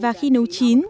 và khi nấu chín